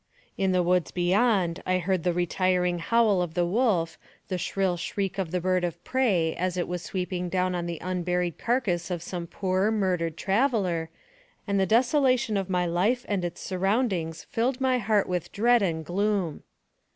In the woods beyond I heard the retiring howl of the wolf, the shrill shriek of the bird of prey, as it was sweeping down on the unburied carcass of some poor, murdered traveler, and the desolation of my life and its surroundings filled my heart with dread and gloom.